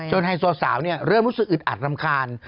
ไฮโซสาวเริ่มรู้สึกอึดอัดรำคาญ